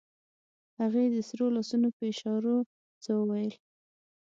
هغې د سرو لاسونو په اشارو څه وويل.